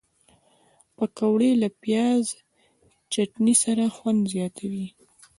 پکورې له پیاز چټني سره خوند زیاتوي